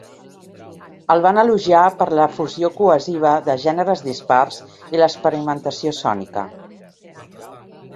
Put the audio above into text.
El van elogiar per la fusió cohesiva de gèneres dispars i l'experimentació sònica.